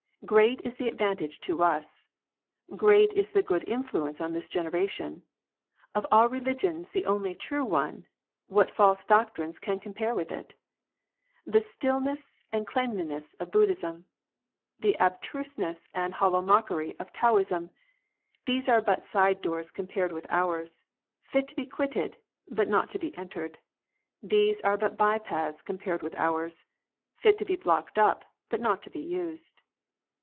Great is the advantage to us ! Great is the good influence on this generation ! Of all religions the only true one. What false doctrine can compare with it % The stillness and cleanliness of Buddhism, The abstmiseness and hollow mockery of Taoism — These are but side doors compared with ours ; Fit to be quitted, but not to be entered. These are but by paths compared with ours ; Fit to be blocked up, but not to be used.